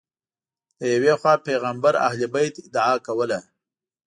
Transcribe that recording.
له یوې خوا پیغمبر اهل بیت ادعا کوله